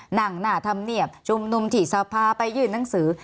หน้าธรรมเนียบชุมนุมที่สภาไปยื่นหนังสือ